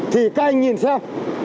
thì các anh nhìn xem